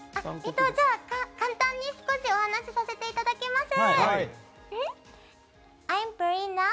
じゃあ簡単に少しお話させていただきます。